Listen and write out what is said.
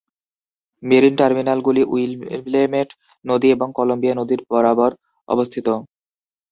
Marine টার্মিনালগুলি Willamette নদী এবং কলম্বিয়া নদীর বরাবর অবস্থিত।